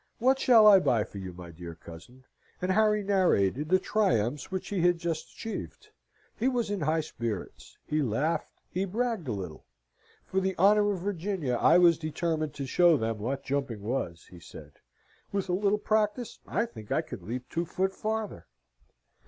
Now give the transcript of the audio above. What shall I buy for you, my dear cousin?" And Harry narrated the triumphs which he had just achieved. He was in high spirits: he laughed, he bragged a little. "For the honour of Virginia I was determined to show them what jumping was," he said. "With a little practice I think I could leap two foot farther."